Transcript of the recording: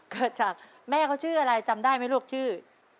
เกิดจากแม่เขาชื่ออะไรจำได้ไหมลูกชื่อ